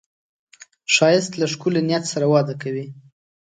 ښایست له ښکلي نیت سره وده کوي